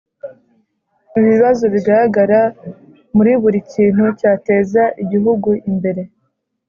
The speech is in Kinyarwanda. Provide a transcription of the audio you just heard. Ibibazo bigaragara muri buri kintu cyateza igihugu imbere